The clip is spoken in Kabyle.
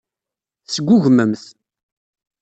Tesgugmem-t.